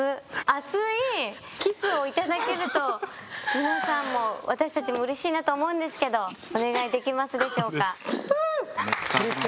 皆さんも私たちもうれしいなと思うんですけどお願いできますでしょうか？